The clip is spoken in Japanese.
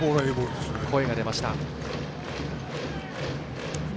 声が出ました。